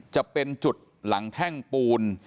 จะเป็นจุดหลังแท่งปูน